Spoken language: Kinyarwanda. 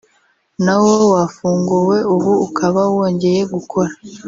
nawo wafunguwe ubu ukaba wongeye gukora